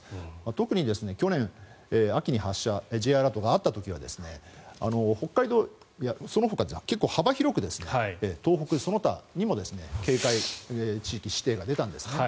特に、去年秋に発射Ｊアラートがあった時には北海道やそのほか、結構幅広く東北、その他にも警戒地域指定が出たんですね。